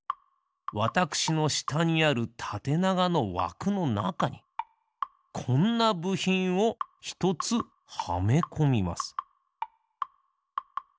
わたくしのしたにあるたてながのわくのなかにこんなぶひんをひとつはめこみます。